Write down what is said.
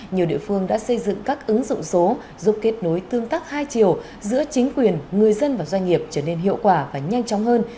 nhiều địa phương đã xây dựng các ứng dụng số giúp kết nối tương tác hai chiều giữa chính quyền người dân và doanh nghiệp trở nên hiệu quả và nhanh chóng hơn